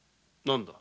何だ。